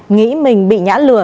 nghĩ mình bị nhã lừa